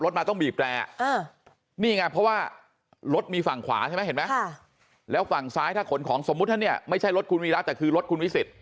ที่เขาจอดรถขนของหน้าร้านอ่ะ